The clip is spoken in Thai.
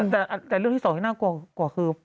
แต่เรื่องที่๒น่ากลัวกว่าคือ